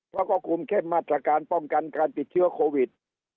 เพราะก็กลุ่มเฉพาะมาจาการป้องกันพิเศษโควิด